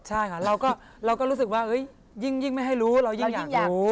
ใช่ค่ะเราก็รู้สึกว่ายิ่งไม่ให้รู้เรายิ่งอยากรู้